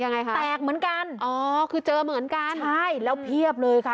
ยังไงคะแตกเหมือนกันอ๋อคือเจอเหมือนกันใช่แล้วเพียบเลยค่ะ